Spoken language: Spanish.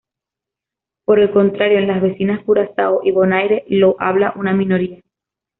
Por el contrario, en las vecinas Curazao y Bonaire lo habla una minoría.